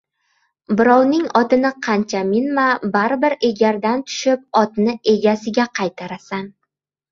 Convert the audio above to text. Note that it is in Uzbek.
Birovning otini qancha minma, baribir egardan tushib otni egasiga qaytarasan.